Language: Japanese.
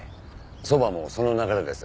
そばもその流れです。